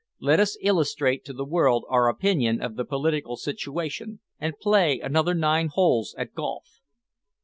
Let us illustrate to the world our opinion of the political situation and play another nine holes at golf."